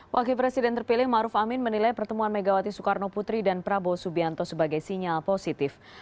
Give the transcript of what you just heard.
wakil presiden terpilih maruf amin menilai pertemuan megawati soekarno putri dan prabowo subianto sebagai sinyal positif